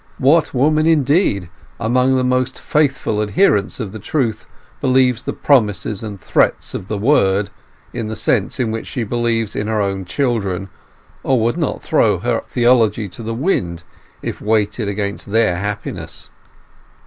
What woman, indeed, among the most faithful adherents of the truth, believes the promises and threats of the Word in the sense in which she believes in her own children, or would not throw her theology to the wind if weighed against their happiness?